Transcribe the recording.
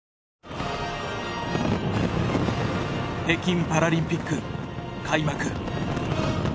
北京パラリンピック開幕。